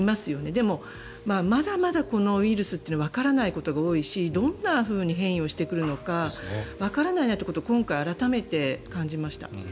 でも、まだまだこのウイルスというのはわからないことが多いしどんなふうに変異してくるのかわからないなってことを今回、改めて感じました。